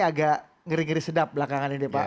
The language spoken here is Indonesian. agak ngeri ngeri sedap belakangan ini pak